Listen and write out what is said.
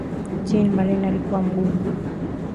Jean-marie alikuwa mgumu